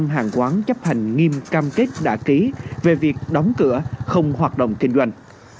một mươi hàng quán chấp hành nghiêm cam kết đã ký về việc đóng cửa không hoạt động kinh doanh